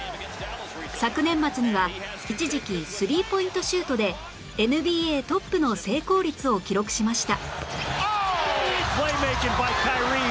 昨年末には一時期スリーポイントシュートで ＮＢＡ トップの成功率を記録しました